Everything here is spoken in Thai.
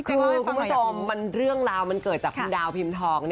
คือคุณผู้ชมเรื่องราวมันเกิดจากคุณดาวพิมพ์ทอง